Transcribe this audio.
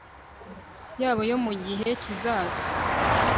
yabo yo mu gihe kizaza